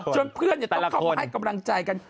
เพื่อนต้องเข้ามาให้กำลังใจกัน